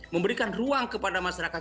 memberikan ruang kepada masyarakat